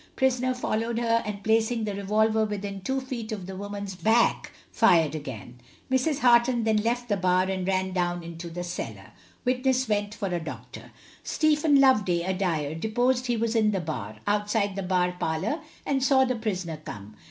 Prisoner followed her, and placing the revolver within two feet of the woman's back fired again. Mrs. Harton then left the bar and ran down into the cellar. Witness went for a doctor. Stephen Loveday, a dyer, deposed he was in the bar, outside the bar parlour, and saw the prisoner come.